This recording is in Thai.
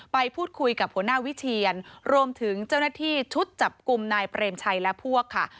ไปพูดคุยกับหัวหน้าวิเชียนรวมถึงเจ้าหน้าที่ชุดจับกลุ่มนายเปรมชัยและพวกค่ะ